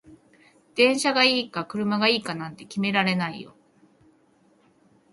電車がいいか車がいいかなんて決められないよ